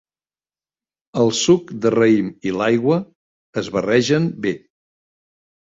El suc de raïm i l'aigua es barregen bé.